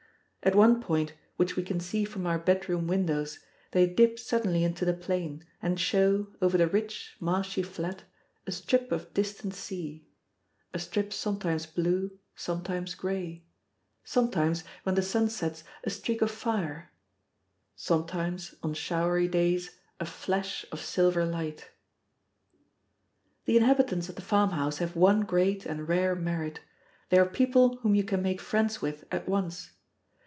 At one point, which we can see from our bedroom windows, they dip suddenly into the plain, and show, over the rich marshy flat, a strip of distant sea a strip sometimes blue, sometimes gray; sometimes, when the sun sets, a streak of fire; sometimes, on showery days, a flash of silver light. The inhabitants of the farmhouse have one great and rare merit they are people whom you can make friends with at once.